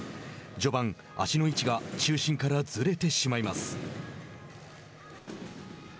序盤、足の位置が中心からずれてしまいます。